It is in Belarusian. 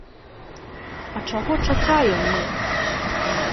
А чаго чакаем мы?